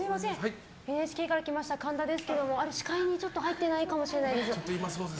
ＮＨＫから来ました神田ですけども視界に入っていないかもしれないです。